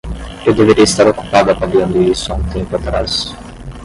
Eu deveria estar ocupado avaliando isso há um tempo atrás.